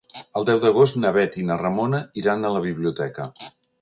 El deu d'agost na Bet i na Ramona iran a la biblioteca.